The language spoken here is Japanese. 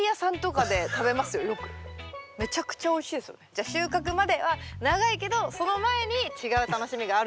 じゃ収穫までは長いけどその前に違う楽しみがあるという。